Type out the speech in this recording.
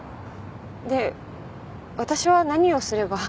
で私は何をすれば？